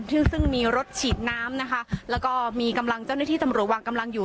ซึ่งซึ่งมีรถฉีดน้ำนะคะแล้วก็มีกำลังเจ้าหน้าที่ตำรวจวางกำลังอยู่